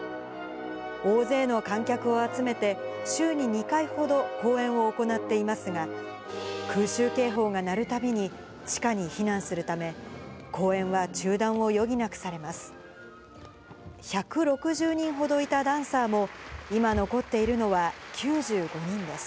大勢の観客を集めて、週に２回ほど公演を行っていますが、空襲警報が鳴るたびに地下に避難するため、公演は中断を余儀なくされます。